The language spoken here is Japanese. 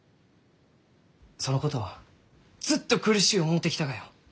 ・そのことをずっと苦しゅう思うてきたがよ！